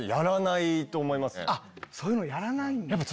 そういうのやらないんだ。